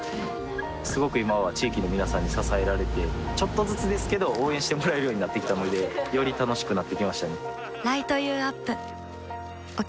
すごく今は地域の皆さんに支えられてちょっとずつですけど応援してもらえるようになってきたのでより楽しくなってきましたね